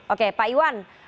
oke pak iwan